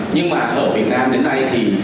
nhưng mà ở việt nam đến nay thì